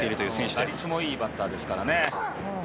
打率もいいバッターですからね。